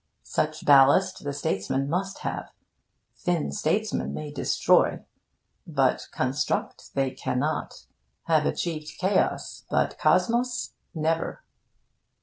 Such ballast the statesman must have. Thin statesmen may destroy, but construct they cannot; have achieved chaos, but cosmos never.